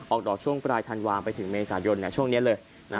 ออกดอกช่วงปลายทันวางไปถึงเมษายนเนี่ยช่วงเนี้ยเลยนะฮะ